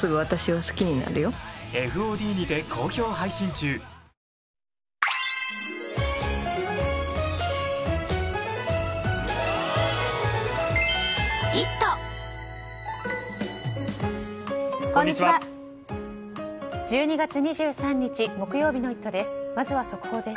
１２月２３日木曜日の「イット！」です。